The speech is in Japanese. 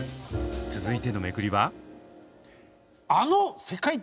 続いてのめくりは？